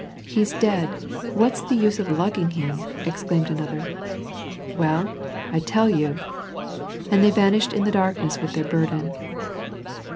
" He's dead ! what's the use of lugging him ?" exclaimed another. " Well, I tell you "— And they vanished in the darkness with their burden.